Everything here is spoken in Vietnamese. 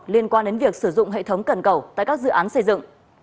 liên quan đến việc sử dụng hệ thống cần cầu tại các dự án xây dựng